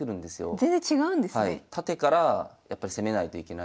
全然違うんですね。